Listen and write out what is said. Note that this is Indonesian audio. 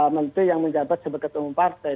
menteri yang menjabat sebagai ketua umum partai